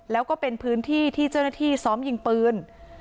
แล้วก็เป็นพื้นที่ที่เจ้าหน้าที่ซ้อมยิงปืน